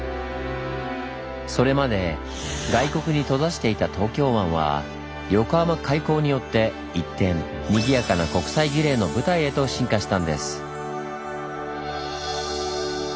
それまで外国に閉ざしていた東京湾は横浜開港によって一転にぎやかな「国際儀礼の舞台」へと進化したんです。